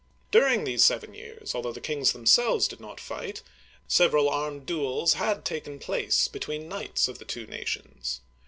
During these seven years, although the kings themselves did not fight, several armed duels had taken place between knights of the two nations.